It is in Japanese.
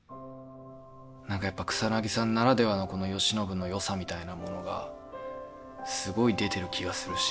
何かやっぱ草さんならではのこの慶喜のよさみたいなものがすごい出てる気がするし。